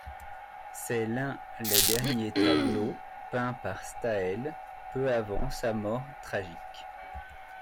C'est l'un les derniers tableaux peints par de Staël peu avant sa mort tragique.